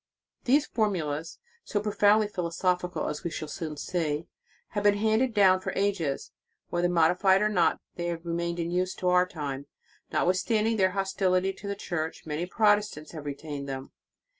]" These formulas, so profoundly philosophi cal, as we shall soon see, have been handed down for ages. Whether modified or not, they have remained in use to our time. Not withstanding their hostility to the Church, many Protestants have retained them.